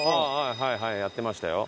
はいはいやってましたよ。